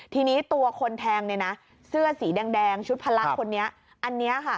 ทีนี้ตัวคนแทงเสื้อสีแดงชุดพลักษณ์คนนี้